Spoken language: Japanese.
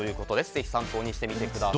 ぜひ参考にしてみてください。